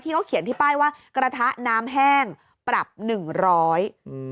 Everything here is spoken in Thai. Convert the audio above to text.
เขาเขียนที่ป้ายว่ากระทะน้ำแห้งปรับหนึ่งร้อยอืม